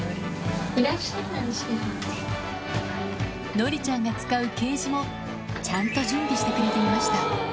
のりちゃんが使うケージもちゃんと準備してくれていました